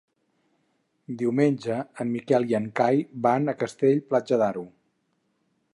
Diumenge en Miquel i en Cai van a Castell-Platja d'Aro.